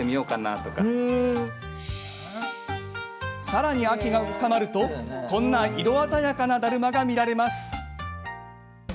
さらに秋が深まるとこんな色鮮やかなだるまが見られます。